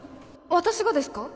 私がですか？